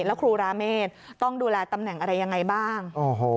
แล้วครูราเมฆต้องดูแลตำแหน่งอะไรยังไงบ้าง